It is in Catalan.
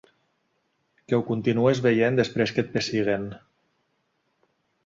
Que ho continues veient després que et pessiguen.